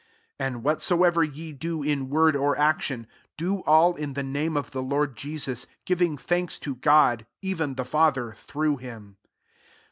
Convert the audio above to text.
17 And whatsoever ye do in word or mc« tion, do all in the name of [the Lord^ Jesus, giving thanks to God, [even] the Fat|ier, through him.